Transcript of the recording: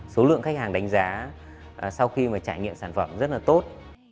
số lượng khách hàng đánh giá sau khi mà trải nghiệm sản phẩm rất là tốt